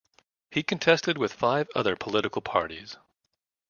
He contested with five other political parties.